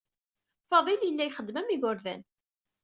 Faḍil yella yexdem am yigerdan.